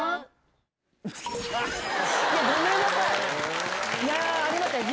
いやごめんなさい！